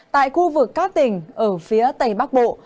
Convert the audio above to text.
tại khu vực các tỉnh ở phía tây bắc bộ